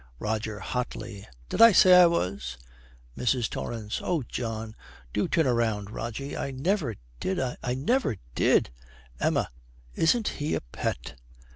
ROGER, hotly, 'Did I say I was?' MRS. TORRANCE. 'Oh, John! Do turn round, Rogie. I never did I never did!' EMMA. 'Isn't he a pet!'